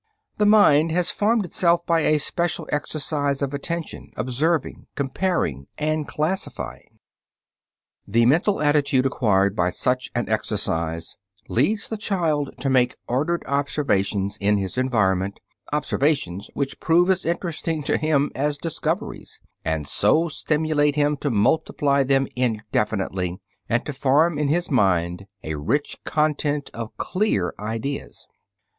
The mind has formed itself by a special exercise of attention, observing, comparing, and classifying. The mental attitude acquired by such an exercise leads the child to make ordered observations in his environment, observations which prove as interesting to him as discoveries, and so stimulate him to multiply them indefinitely and to form in his mind a rich "content" of clear ideas.